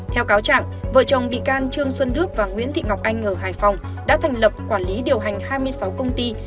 theo cáo trạng vợ chồng bị can trương xuân đức và nguyễn thị ngọc anh ở hải phòng đã thành lập quản lý điều hành hai mươi sáu công ty